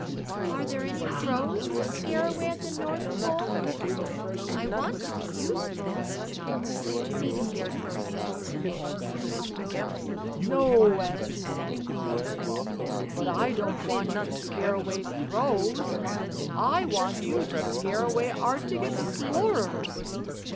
"Are there any crows to scare away at the North Pole? I want to be useful," Jimmy Scarecrow said, anxiously. "No," answered Santa Claus, "but I don't want you to scare away crows. I want you to scare away Arctic Explorers.